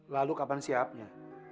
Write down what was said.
lalu kapan siapnya